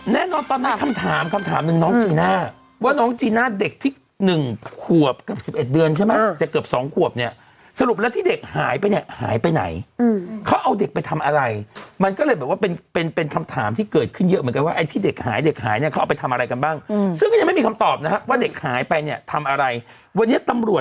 แน่นอนตอนนั้นคำถามคำถามหนึ่งน้องจีน่าว่าน้องจีน่าเด็กที่๑ขวบกับ๑๑เดือนใช่ไหมจะเกือบสองขวบเนี่ยสรุปแล้วที่เด็กหายไปเนี่ยหายไปไหนเขาเอาเด็กไปทำอะไรมันก็เลยแบบว่าเป็นเป็นคำถามที่เกิดขึ้นเยอะเหมือนกันว่าไอ้ที่เด็กหายเด็กหายเนี่ยเขาเอาไปทำอะไรกันบ้างซึ่งก็ยังไม่มีคำตอบนะฮะว่าเด็กหายไปเนี่ยทำอะไรวันนี้ตำรวจ